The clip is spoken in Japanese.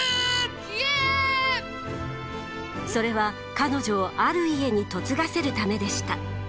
それは彼女をある家に嫁がせるためでした。